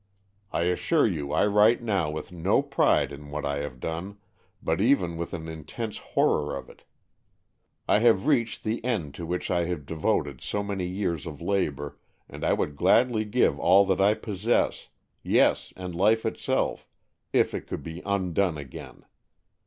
I assure you I write now with no pride in what I have done, but even with an intense horror of it. I have reached the end to which I devoted so many years of labour, and I would gladly give all that I possess — yes, and life itself — if it could be undone again.